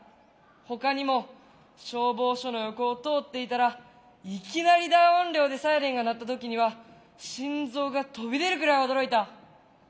ほかにも消防署の横を通っていたらいきなり大音量でサイレンが鳴った時には心臓が飛び出るくらい驚いた。